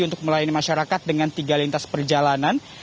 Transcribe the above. untuk melayani masyarakat dengan tiga lintas perjalanan